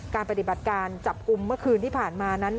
ปฏิบัติการจับกลุ่มเมื่อคืนที่ผ่านมานั้น